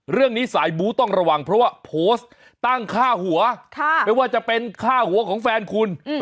เรื่องนี้สายบู้ต้องระวังเพราะว่าโพสต์ตั้งค่าหัวไม่ว่าจะเป็นค่าหัวของแฟนคุณ